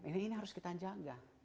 ini harus kita jaga